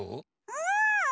うん！